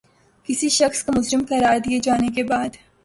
کسی شخص کو مجرم قراد دیے جانے کے بعد